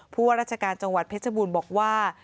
ว่าราชการจังหวัดเพชรบูรณ์บอกว่า